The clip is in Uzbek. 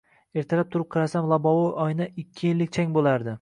ertalab turib qarasam lobovoy oyna ikki enlik chang bo‘lardi.